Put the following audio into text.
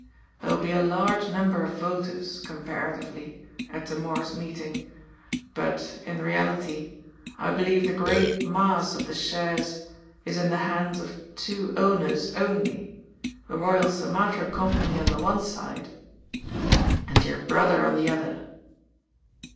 There will be a large number of voters — comparatively — at to morrow's meeting, but, in reality, I believe the great mass of the shares is in the hands of two owners only, the Royal Sumatra Company on the one side, and your brother on the other."